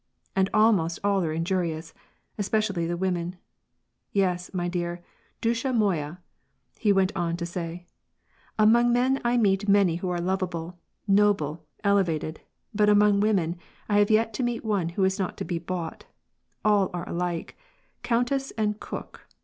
And almost all are injurious, especi ially the women. Yes, my dear, — dusha moya "— he went on to say, '^ Among men I meet many who are lovable, noble, elevated, but among women, I have yet to meet one who is not to be bought — all are alike, countess and cook